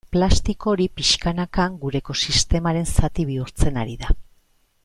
Plastiko hori pixkanaka gure ekosistemaren zati bihurtzen ari da.